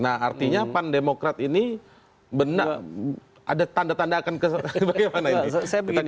nah artinya pan demokrat ini ada tanda tanda akan keseluruhan